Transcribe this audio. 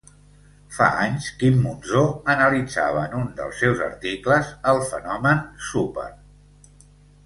Fa anys Quim Monzó analitzava en un dels seus articles el fenomen "súper".